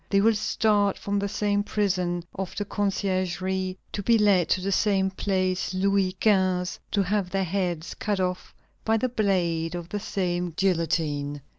They will start from the same prison of the Conciergerie, to be led to the same Place Louis XV., to have their heads cut off by the blade of the same guillotine.